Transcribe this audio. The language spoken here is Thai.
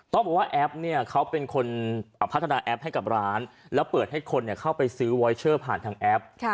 ต้องบอกว่าแอปเนี่ยเขาเป็นคนพัฒนาแอปให้กับร้านแล้วเปิดให้คนเข้าไปซื้อวอยเชอร์ผ่านทางแอป